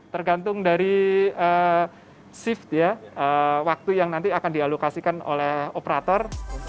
tergantung dari shift ya waktu yang nanti akan dialokasikan oleh operator